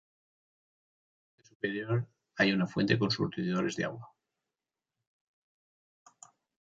En su parte superior hay una fuente con surtidores de agua.